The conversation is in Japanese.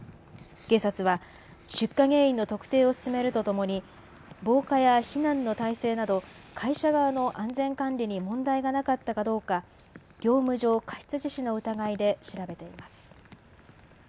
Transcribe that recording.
警察は出火原因の特定を進めるとともに防火や避難の体制など会社側の安全管理に問題がなかったかどうか業務上過失致死の疑いで調べています。